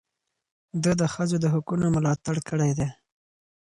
ده د ښځو د حقونو ملاتړ کړی دی.